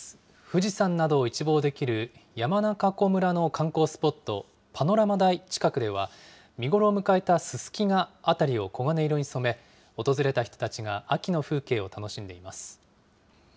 富士山などを一望できる山中湖村の観光スポット、パノラマ台近くでは、見頃を迎えたススキが辺りを黄金色に染め、訪れた人たちが秋の風景を楽しんでいます。